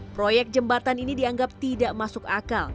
proyek jembatan ini dianggap tidak masuk akal